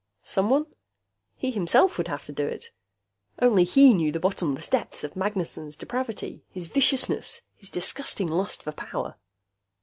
Someone? He himself would have to do it. Only he knew the bottomless depths of Magnessen's depravity, his viciousness, his disgusting lust for power.